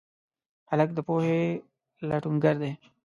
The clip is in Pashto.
هلک د پوهې لټونګر دی.